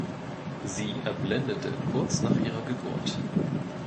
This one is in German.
Sie erblindete kurz nach ihrer Geburt.